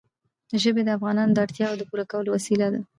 ژبې د افغانانو د اړتیاوو د پوره کولو وسیله ده.